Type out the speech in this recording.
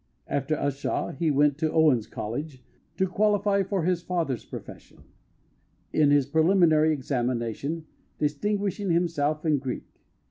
After Ushaw he went to Owens College, to qualify for his father's profession; in his preliminary examination distinguishing himself in Greek.